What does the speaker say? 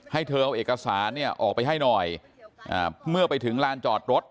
ให้เธอเอาเอกสารเนี่ยออกไปให้หน่อยอ่าเมื่อไปถึงลานจอดรถ